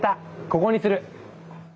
ここにする。